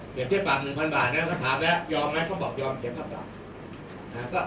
เปรียบเทียบปรับ๑๐๐๐บาทแล้วก็ถามแล้วยอมไหมเขาบอกยอมเสียความปรับ